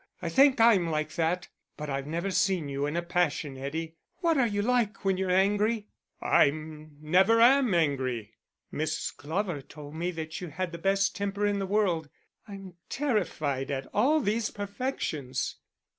I think I'm like that; but I've never seen you in a passion, Eddie. What are you like when you're angry?" "I never am angry." "Miss Glover told me that you had the best temper in the world. I'm terrified at all these perfections."